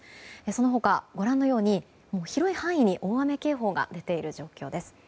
その他、ご覧のように広い範囲に大雨警報が出ている状況です。